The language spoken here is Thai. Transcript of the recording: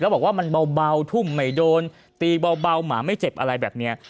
แล้วบอกว่ามันเบาเบาทุ่มไม่โดนตีเบาเบาหมาไม่เจ็บอะไรแบบเนี้ย